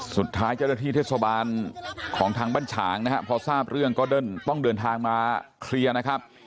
สุดท้ายเจ้าหน้าที่เทศบาลของทางบ้านฉางนะครับพอทราบเรื่องก็เดินต้องเดินทางมาเคลียร์นะครับ